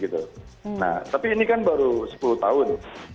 nah tapi ini kan baru sepuluh tahun